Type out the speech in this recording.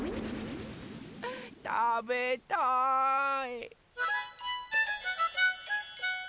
たべたい！